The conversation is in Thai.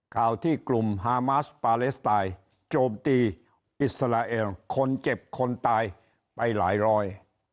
ข่าวที่กลุ่มฮามาสปาเลสไตน์โจมตีอิสราเอลคนเจ็บคนตายไปหลายร้อย